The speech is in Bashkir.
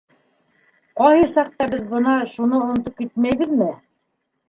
Ҡайһы саҡта беҙ бына шуны онотоп китмәйбеҙме?